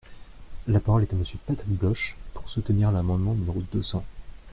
La parole est à Monsieur Patrick Bloche, pour soutenir l’amendement numéro deux cents.